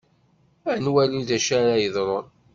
Ad nwali d acu ara yeḍṛun.